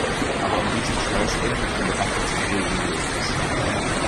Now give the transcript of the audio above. Aber um diesen Stress endlich von der Backe zu kriegen lohnt es.